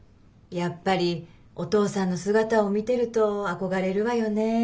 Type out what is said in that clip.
やっぱりお父さんの姿を見てると憧れるわよね。